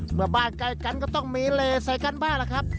เมื่อบ้านใกล้กันก็ต้องมีเลใส่กันบ้างล่ะครับ